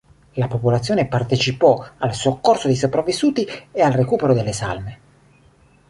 La popolazione partecipò al soccorso dei sopravvissuti e al recupero delle salme.